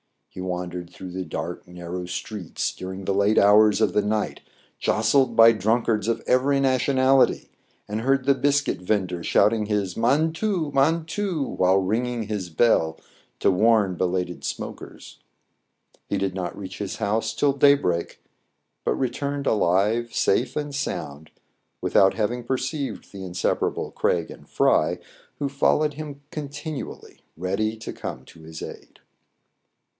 He wandered through the dark, narrow streets during WILL NOT SURPRISE THE READER, . 95 the late hours of the night, jostled by drunkards of every nationality, and heard the biscuit vender shouting his " Man too ! mantoo !" while ringing his bell to warn belated smokers. He did not reach his house till daybreak, but returned alive safe and sound without having perceived the in separable Craig and Fry, who followed him con tinually, ready to come to his aid.